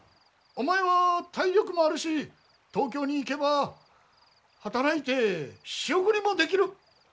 お前は体力もあるし東京に行けば働いて仕送りもできる。